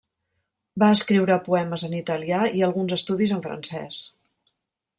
Va escriure poemes en italià i alguns estudis en francès.